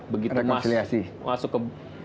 begitu masuk ke